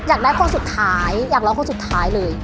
อยากได้คนสุดท้ายอยากร้องคนสุดท้ายเลย